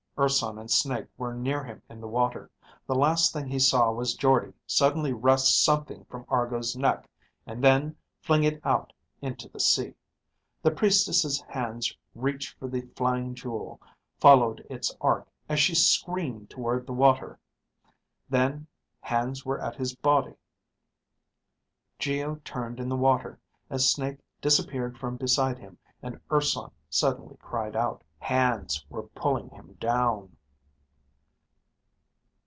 Urson and Snake were near him in the water. The last thing he saw was Jordde suddenly wrest something from Argo's neck and then fling it out into the sea. The Priestess' hands reached for the flying jewel, followed its arc as she screamed toward the water. Then hands were at his body. Geo turned in the water as Snake disappeared from beside him and Urson suddenly cried out. Hands were pulling him down.